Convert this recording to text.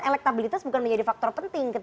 elektabilitas bukan menjadi faktor penting